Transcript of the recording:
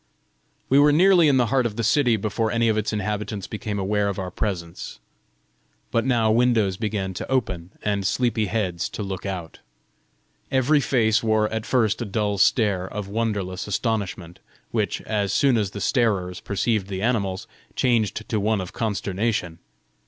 We were nearly in the heart of the city before any of its inhabitants became aware of our presence. But now windows began to open, and sleepy heads to look out. Every face wore at first a dull stare of wonderless astonishment, which, as soon as the starers perceived the animals, changed to one of consternation.